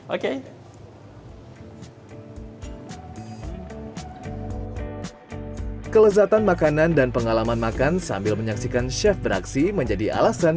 oke kelezatan makanan dan pengalaman makan sambil menyaksikan chef beraksi menjadi alasan